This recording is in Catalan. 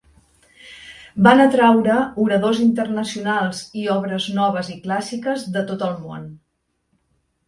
Van atraure oradors internacionals i obres noves i clàssiques de tot el món.